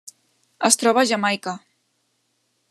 Es troba a Jamaica.